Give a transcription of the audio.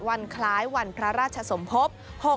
วันคล้ายวันพระราชสมภพ